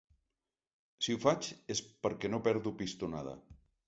Si ho faig és que no perdo pistonada.